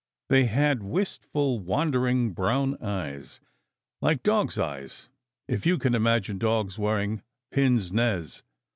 They had wistful, wondering brown eyes, like dogs eyes (if you can imagine dogs wearing pince nez!)